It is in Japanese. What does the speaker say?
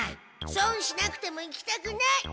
そんしなくても行きたくない！